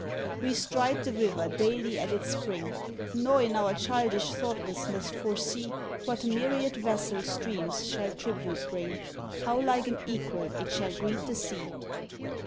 We stride the river daily at its spring, Nor, in our childish thoughtlessness, foresee What myriad vassal streams shall tribute bring, How like an equal it shall greet the sea.